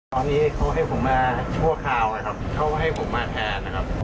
ตอนนี้เขาให้ผมมาชั่วคราวนะครับเขาให้ผมมาแทนนะครับ